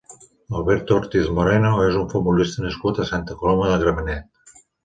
Alberto Ortiz Moreno és un futbolista nascut a Santa Coloma de Gramenet.